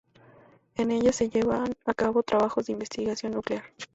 En ella se llevan a cabo trabajos de investigación nuclear.